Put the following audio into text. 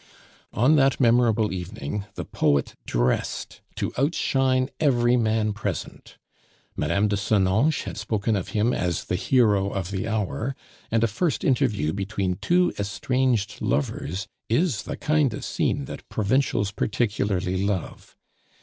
On that memorable evening the poet dressed to outshine every man present. Mme. de Senonches had spoken of him as the hero of the hour, and a first interview between two estranged lovers is the kind of scene that provincials particularly love.